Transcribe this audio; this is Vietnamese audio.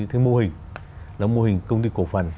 thêm mô hình là mô hình công ty cổ phản